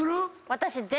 私。